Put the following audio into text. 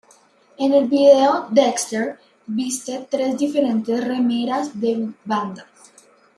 En el vídeo, Dexter viste tres diferentes remeras de bandas.